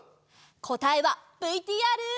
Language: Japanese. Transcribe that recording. こたえはＶＴＲ。